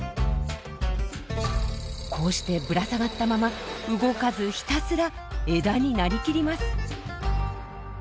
こうしてぶら下がったまま動かずひたすら枝に成りきります。